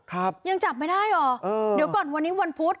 ครับยังจับไม่ได้หรอเออเดี๋ยวก่อนวันนี้วันพุธ